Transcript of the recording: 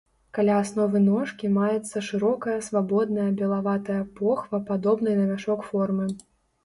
Каля асновы ножкі маецца шырокая, свабодная, белаватая похва падобнай на мяшок формы.